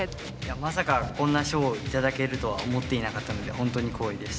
まさかこんな賞を頂けるとは思っていなかったのでホントに光栄です。